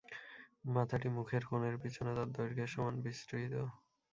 মাথাটি মুখের কোণের পিছনে তার দৈর্ঘ্যের সমান বিস্তৃত।